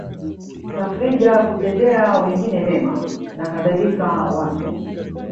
tafrija kutendea wengine mema na kadhalika Watu